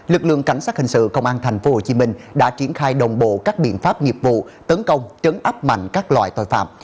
lực lượng cảnh sát hình sự công an tp hcm đã triển khai đồng bộ các biện pháp nghiệp vụ tấn công chấn áp mạnh các loại tội phạm